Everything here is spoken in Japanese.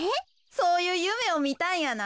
そういうゆめをみたんやな。